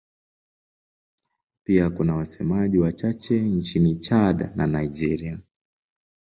Pia kuna wasemaji wachache nchini Chad na Nigeria.